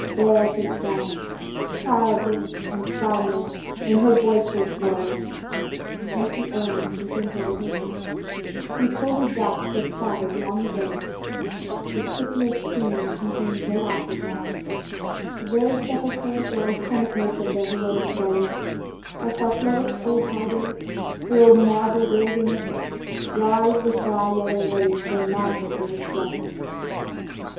there she stands, Childless and crownless in her voiceless woe; An empty urn within her withered hands, Whose holy dust was scattered long ago; The Scipios' tomb contains no ashes now: The very sepulchres lie tenantless Of their heroic dwellers; dost thou flow, Old Tiber! through a marble wilderness? Rise with thy yellow waves, and mantle her distress."